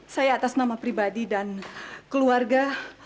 saya atas nama pribadi dan keluarga